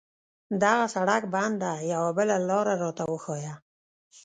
دغه سړک بند ده، یوه بله لار راته وښایه.